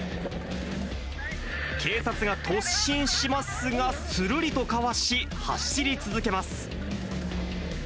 警察が突進しますが、するりとかわし、走り続けます。